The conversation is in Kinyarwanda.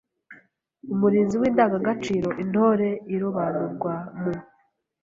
Umurinzi w’Indangagaciro: Intore irobanurwa mu